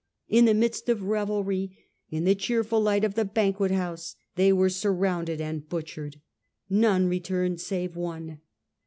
In the midst of revelry, in the cheerful light of the banquet house, they were surrounded and butchered. None returned save one.